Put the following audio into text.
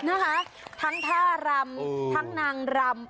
นะคะทั้งท่ารำทั้งนางรำ